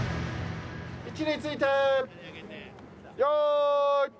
位置について用意。